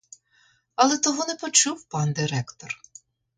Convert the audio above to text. Але того не почув пан директор.